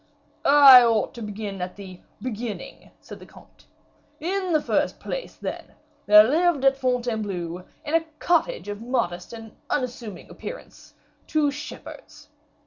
"I ought to begin at the beginning," said the comte. "In the first place, then, there lived at Fontainebleau, in a cottage of modest and unassuming appearance, two shepherds.